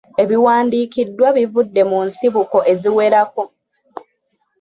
Ebiwandiikiddwa bivudde mu nsibuko eziwerako.